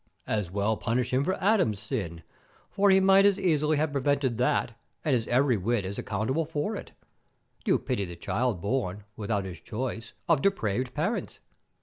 As well punish him for Adam's sin, for he might as easily have prevented that, and is every whit as accountable for it. You pity the child born, without his choice, of depraved parents.